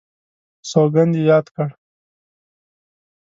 سوګند یې یاد کړ.